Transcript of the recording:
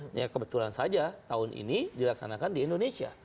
ini kebetulan saja tahun ini dilaksanakan di indonesia